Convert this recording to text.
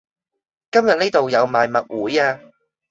今日呢道有賣物會呀